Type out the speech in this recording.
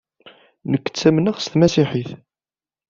Nekk ttamneɣ s tmasiḥit.